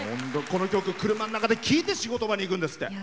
この曲を車の中で聴いて仕事場に行くんですって。